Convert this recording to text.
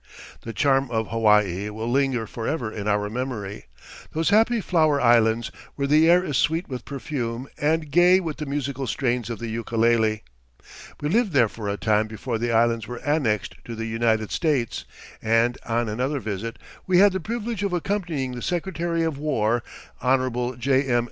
The charm of Hawaii will linger forever in our memory those happy flower islands where the air is sweet with perfume and gay with the musical strains of the ukulele. We lived there for a time before the Islands were annexed to the United States and, on another visit, we had the privilege of accompanying the Secretary of War, Hon. J. M.